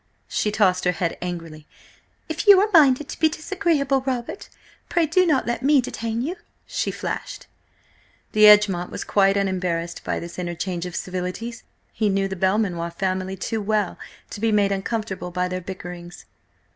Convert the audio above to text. She tossed her head angrily. "If you are minded to be disagreeable, Robert, pray do not let me detain you!" she flashed. D'Egmont was quite unembarrased by this interchange of civilities. He knew the Belmanoir family too well to be made uncomfortable by their bickerings.